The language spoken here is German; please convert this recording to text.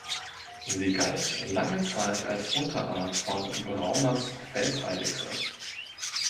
Sie galt lange Zeit als Unterart von Brauners Felseidechse.